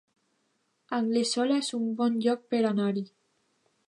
Anglesola es un bon lloc per anar-hi